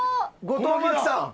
後藤真希さんだ。